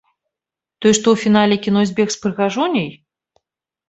Той, што у фінале кіно збег з прыгажуняй?